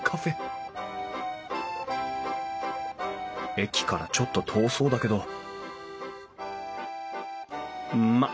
駅からちょっと遠そうだけどまあ